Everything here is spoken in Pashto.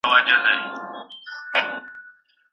کورنۍ به باور پیاوړی کړي.